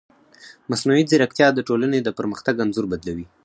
مصنوعي ځیرکتیا د ټولنې د پرمختګ انځور بدلوي.